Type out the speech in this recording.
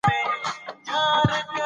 ځمکه د افغانستان د بڼوالۍ برخه ده.